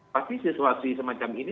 pasti situasi semacam ini